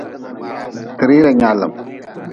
Ti rira nyaalm.